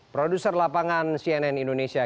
produser lapangan cnn indonesia